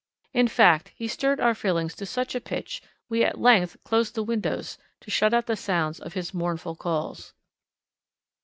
In fact, he stirred our feelings to such a pitch we at length closed the windows to shut out the sounds of his mournful calls.